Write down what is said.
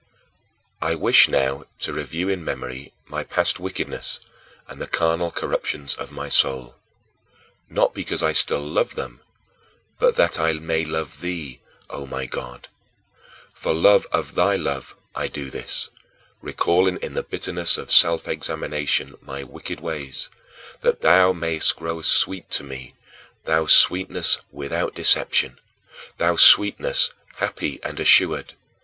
I wish now to review in memory my past wickedness and the carnal corruptions of my soul not because I still love them, but that I may love thee, O my God. For love of thy love I do this, recalling in the bitterness of self examination my wicked ways, that thou mayest grow sweet to me, thou sweetness without deception! Thou sweetness happy and assured!